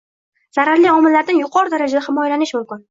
zararli omillardan yuqori darajada himoyalanish mumkin?